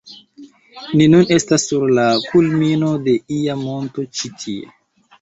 Ni nun estas sur la kulmino de ia monto ĉi tie